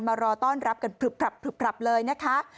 รอต้อนรับกันผลับเลยนะคะ